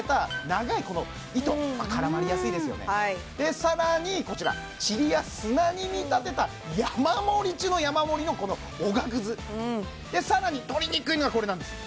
長い糸絡まりやすいですよねで更にこちらチリや砂に見立てた山盛り中の山盛りのこのおがくずで更に取りにくいのがこれなんです